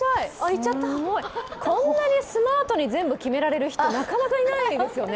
こんなにスマートに全部決められる人、なかなかいないですよね。